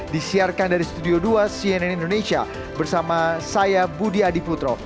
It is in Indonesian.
disiarkan dari studio dua cnn indonesia bersama saya budi adiputro